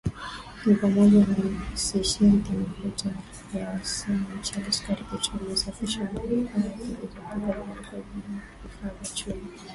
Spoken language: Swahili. Ni pamoja na Simenti mafuta ya mawese mchele sukari petroli iliyosafishwa na bidhaa zilizopikwa vipodozi na vifaa vya chuma